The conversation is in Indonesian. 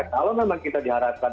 kalau memang kita diharapkan